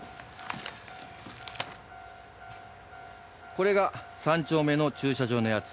これが３丁目の駐車場のやつ。